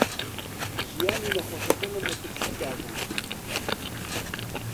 ژیانی نەخۆشەکە لە مەترسیدا بوو.